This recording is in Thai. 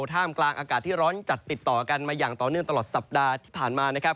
ท่ามกลางอากาศที่ร้อนจัดติดต่อกันมาอย่างต่อเนื่องตลอดสัปดาห์ที่ผ่านมานะครับ